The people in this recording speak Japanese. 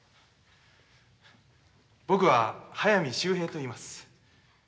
僕は速水秀平といいます。